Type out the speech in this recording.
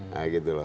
nah gitu loh